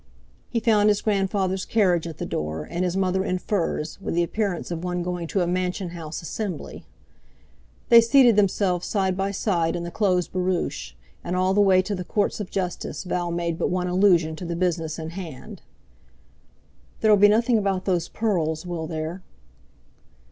He found his grandfather's carriage at the door, and his mother in furs, with the appearance of one going to a Mansion House Assembly. They seated themselves side by side in the closed barouche, and all the way to the Courts of Justice Val made but one allusion to the business in hand. "There'll be nothing about those pearls, will there?"